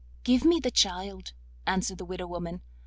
'Give me the child,' answered the widow woman.